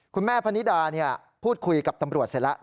พนิดาพูดคุยกับตำรวจเสร็จแล้ว